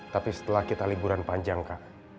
tapi setelah kita liburan panjang kak